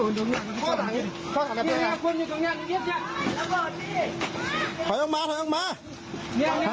ขนาดน้ำเพลิงขนาดน้ำเพลิง